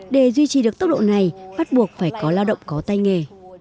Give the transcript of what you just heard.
để duy trì được tốc độ này phát buộc phải có lao động có tay nghề